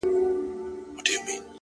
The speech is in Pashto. • ستا غیبت مي تر هیڅ غوږه نه دی وړی ,